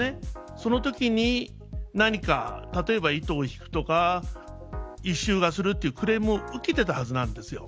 そのときに何か例えば、糸を引くとか異臭がするというクレームを受けていたはずなんです。